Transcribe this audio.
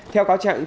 theo cáo chặn